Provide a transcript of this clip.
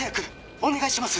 お願いします！